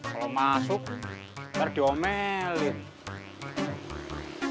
kalau masuk nanti diomelin